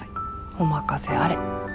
お任せあれ。